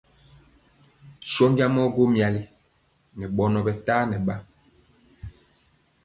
Sɔnja mɔ gwo myali nɛ ɓɔnɔ ɓɛ tani nɛ ɓa.